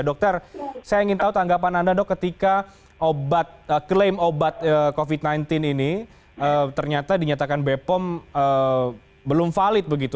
dokter saya ingin tahu tanggapan anda dok ketika klaim obat covid sembilan belas ini ternyata dinyatakan bepom belum valid begitu